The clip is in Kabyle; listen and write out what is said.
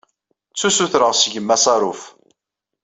Ttu ssutreɣ seg-m asaruf.